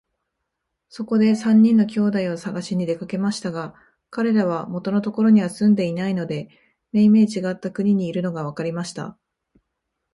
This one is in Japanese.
そこで三人の兄弟をさがしに出かけましたが、かれらは元のところには住んでいないで、めいめいちがった国にいるのがわかりました。